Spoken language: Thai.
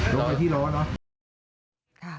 ลงไปที่ล้อเนอะ